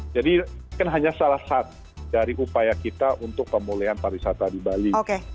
jadi kan hanya salah satu dari upaya kita untuk pemulihan para wisata di bali